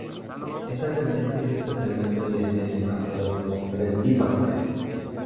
Esta tendencia es especialmente evidente en el campo de los postres y pasteles.